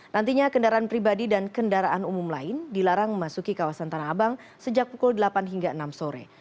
nantinya kendaraan pribadi dan kendaraan umum lain dilarang memasuki kawasan tanah abang sejak pukul delapan hingga enam sore